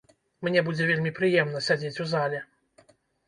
Мне будзе вельмі прыемна сядзець у зале.